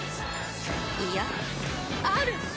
いやある！